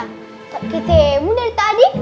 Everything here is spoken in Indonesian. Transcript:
kita ketemu dari tadi